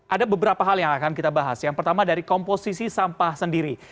ada beberapa hal yang akan kita bahas yang pertama dari komposisi sampah sendiri